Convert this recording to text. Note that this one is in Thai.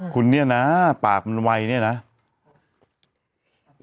คุณเนี่ยนะปากมันไวเนี่ยนะ